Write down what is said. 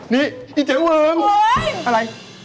นี่นี่เจ๊เวิงเวิงอะไร